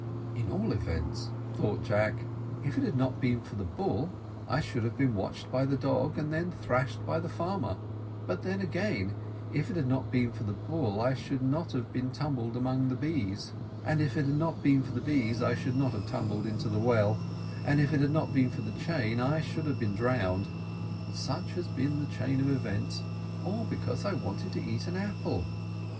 "At all events," thought Jack, "if it had not been for the bull, I should have been watched by the dog, and then thrashed by the farmer; but then again, if it had not been for the bull, I should not have tumbled among the bees; and if it had not been for the bees, I should not have tumbled into the well; and if it had not been for the chain, I should have been drowned. Such has been the chain of events, all because I wanted to eat an apple."